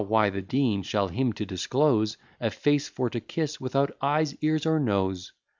Why, the Dean shall to him disclose A face for to kiss, without eyes, ears, or nose.